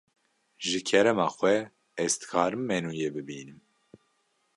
Ji kerema xwe, ez dikarim menûyê bibînim.